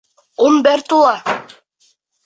Ун бер тула.